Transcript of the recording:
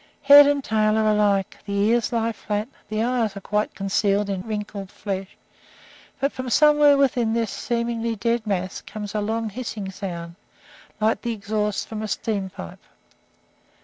Head and tail are alike; the ears lie flat; the eyes are quite concealed in wrinkled flesh, but from somewhere within this seemingly dead mass comes a long, hissing sound, like the exhaust from a steam pipe.